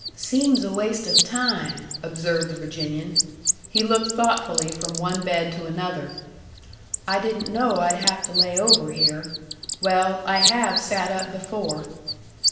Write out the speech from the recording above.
"Seems a waste of time," observed the Virginian. He looked thoughtfully from one bed to another. "I didn't know I'd have to lay over here. Well, I have sat up before."